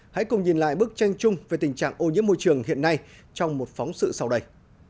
hãy cùng nhìn lại bức tranh chung về tình trạng ô nhiễm môi trường hiện nay trong một phóng sự sau đây